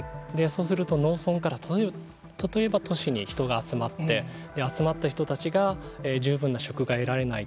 そうすると、農村から例えば都市に人が集まって集まった人たちが十分な職が得られない。